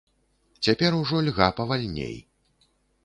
Цяпер ужо льга павальней.